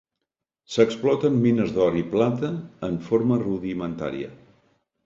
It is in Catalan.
S'exploten mines d'or i plata en forma rudimentària.